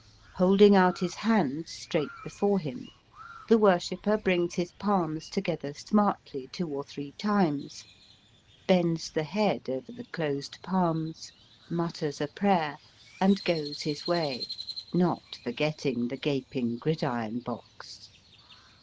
Holding out his hands straight before him, the worshipper brings his palms together smartly two or three times, bends the head over the closed palms, mutters a prayer, and goes his way, not forgetting the gaping gridiron box.